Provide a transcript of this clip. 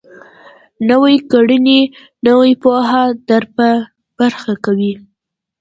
نويې کړنې نوې پوهه در په برخه کوي.